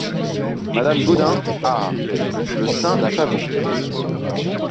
Madame Gaudin Ah ! le sein d'un pavot !